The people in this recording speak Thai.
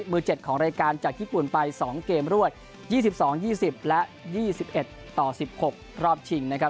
มือ๗ของรายการจากญี่ปุ่นไป๒เกมรวด๒๒๒๐และ๒๑ต่อ๑๖รอบชิงนะครับ